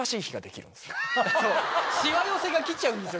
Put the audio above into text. そうしわ寄せが来ちゃうんですよ